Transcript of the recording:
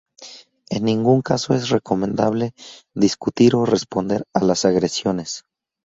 En ningún caso es recomendable discutir o responder a las agresiones.